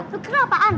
lu kenal apaan